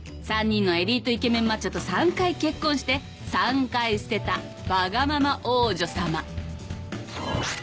３人のエリートイケメンマッチョと３回結婚して３回捨てたわがまま王女様。